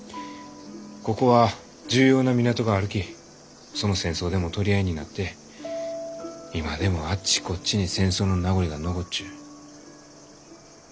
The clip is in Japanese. ここは重要な港があるきその戦争でも取り合いになって今でもあっちこっちに戦争の名残が残っちゅう。